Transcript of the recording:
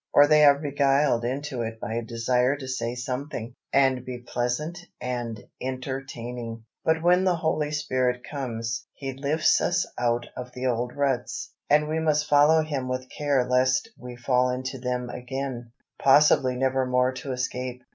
Or they are beguiled into it by a desire to say something, and be pleasant and entertaining. But when the Holy Spirit comes, He lifts us out of the old ruts, and we must follow Him with care lest we fall into them again, possibly never more to escape.